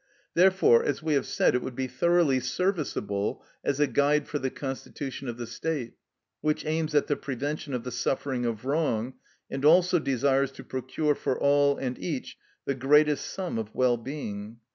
Therefore, as we have said, it would be thoroughly serviceable as a guide for the constitution of the State, which aims at the prevention of the suffering of wrong, and also desires to procure for all and each the greatest sum of well being.